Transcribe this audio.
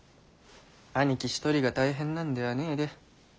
あにき一人が大変なんではねぇで。